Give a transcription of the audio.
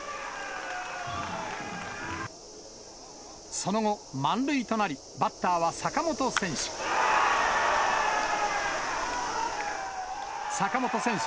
その後、満塁となり、バッターは坂本選手。